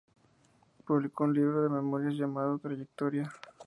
Publicó un libro de memorias llamado ""Trayectoria"".